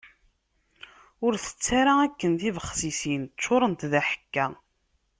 Ur tett ara akken tibexsisin, ččurent d aḥekka.